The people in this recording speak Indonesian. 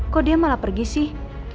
kok dia malah pergi sih